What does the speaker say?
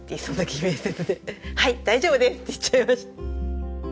「はい大丈夫です！」って言っちゃいました。